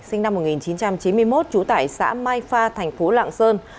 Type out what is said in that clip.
sinh năm một nghìn chín trăm chín mươi một trú tại xã mai pha thành phố lạng sơn